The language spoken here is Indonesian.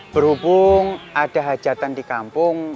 berhubung ada hajatan di kampung